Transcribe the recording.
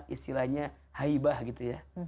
istilahnya haybah gitu ya